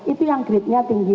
itu yang grade nya tinggi